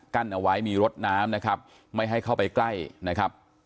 กั้นเอาไว้มีรถน้ำนะครับไม่ให้เข้าไปใกล้นะครับ